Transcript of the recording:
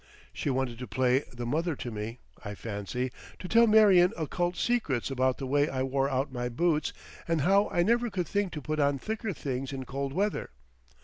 She wanted to play the mother to me, I fancy, to tell Marion occult secrets about the way I wore out my boots and how I never could think to put on thicker things in cold weather.